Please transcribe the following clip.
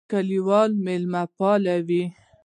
کلیوال مېلمهپاله وي.